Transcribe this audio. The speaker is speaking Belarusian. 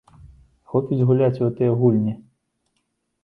Хопіць гуляць у гэтыя гульні.